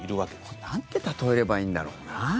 これ、なんて例えればいいんだろうな？